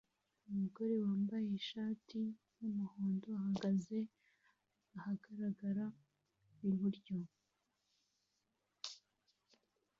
umugore wambaye ishati yumuhondo ahagaze ahagarara ibiryo